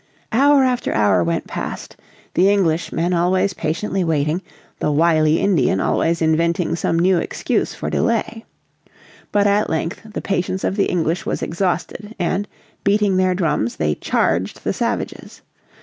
Hour after hour went past; the Englishmen always patiently waiting; the wily Indian always inventing some new excuse for delay. But at length the patience of the English was exhausted, and, beating their drums, they charged the savages.